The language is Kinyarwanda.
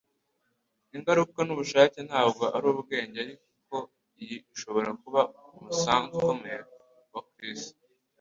Ingaruka nubushake ntabwo ari ubwenge ariko iyi ishobora kuba umusanzu ukomeye wa Chris.